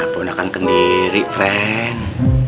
ponakan kendiri friend